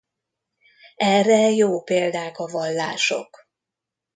Erre jó példák a vallások.